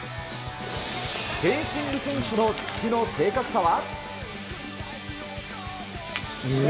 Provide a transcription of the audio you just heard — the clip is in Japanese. フェンシング選手の突きの正確さは？